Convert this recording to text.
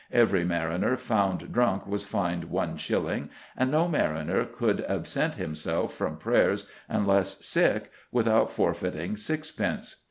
Every mariner found drunk was fined one shilling, and no mariner could absent himself from prayers unless sick, without forfeiting sixpence."